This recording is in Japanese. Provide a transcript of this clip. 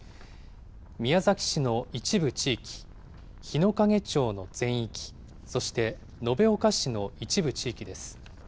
宮崎市の一部地域、日之影町の全域、そして延岡市の一部地域です。